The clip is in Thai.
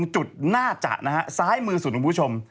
จุดน่าจะนะฮะซ้ายมือสุดคุณผู้ชม